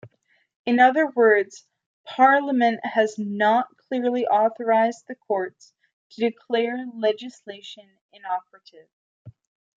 In other words, Parliament has not clearly authorized the Courts to declare legislation inoperative.